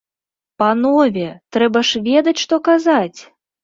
Панове, трэба ж ведаць, што казаць!